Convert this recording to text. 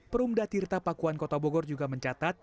perumda tirta pakuan kota bogor juga mencatat